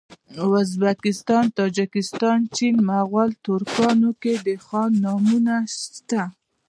ازبکستان تاجکستان چین مغول ترکانو کي د خان نومونه سته